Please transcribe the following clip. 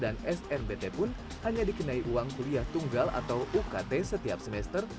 mahasiswa yang lulus melalui jalur smbp dan snbt pun hanya dikenai uang kuliah tunggal atau ukt setiap semester